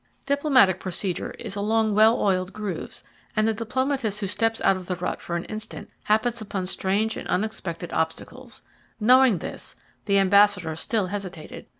Diplomatic procedure is along well oiled grooves, and the diplomatist who steps out of the rut for an instant happens upon strange and unexpected obstacles. Knowing this, the ambassador still hesitated.